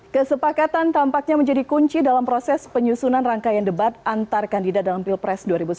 kesepakatan tampaknya menjadi kunci dalam proses penyusunan rangkaian debat antar kandidat dalam pilpres dua ribu sembilan belas